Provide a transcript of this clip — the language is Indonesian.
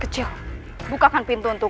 latif rahman ratif vajmer